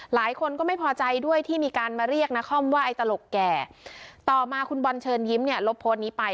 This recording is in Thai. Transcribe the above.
หลายคนก็ไม่พอใจด้วยที่มีการมาเรียกนครว่าไอ้ตลกแก่ต่อมาคุณบอลเชิญยิ้มเนี่ยลบโพสต์นี้ไป